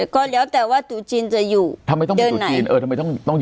ก็แล้วแต่ว่าตุดจีนจะอยู่เดือนไหน